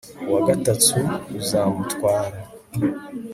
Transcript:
uwagatatu uzamutwara